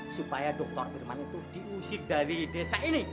supaya doktor firman itu diusir dari desa ini